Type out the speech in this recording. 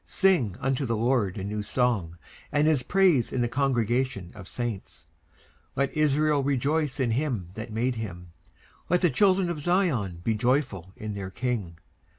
Sing unto the LORD a new song, and his praise in the congregation of saints. 19:149:002 Let Israel rejoice in him that made him: let the children of Zion be joyful in their King.